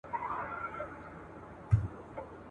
له وهلو له ښکنځلو دواړو خلاص وو !.